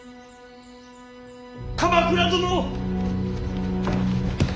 ・鎌倉殿！